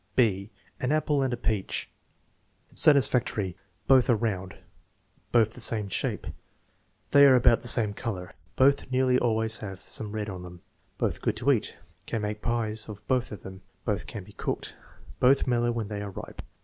(6) An appk and a peach Satisfactory. "Both are round." "Both the same shape." "They are about the same color." "Both nearly always have some red on them." "Both good to eat." "Can make pies of both of them." "Both can be cooked." "Both mellow when they are ripe."